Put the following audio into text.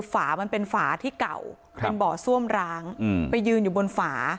ฝามันเป็นฝาที่เก่าเป็นบ่อซ่วมร้างไปยืนอยู่บนฝา